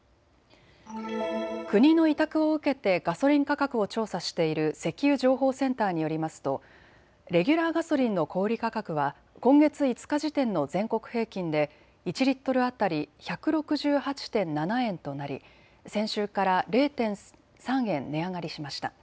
国の委託を受けてガソリン価格を調査している石油情報センターによりますとレギュラーガソリンの小売価格は今月５日時点の全国平均で１リットル当たり１６８．７円となり先週から０．３円値上がりしました。